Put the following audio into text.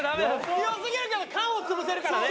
強すぎるけど菅を潰せるからね。